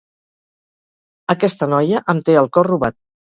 Aquesta noia em té el cor robat.